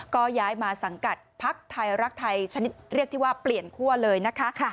ก็ย้ายมาสังกัดพักไทยรักไทยชนิดเรียกที่ว่าเปลี่ยนคั่วเลยนะคะ